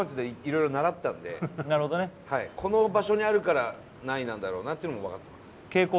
なるほどねはいこの場所にあるから何位なんだろうなっていうのも分かってます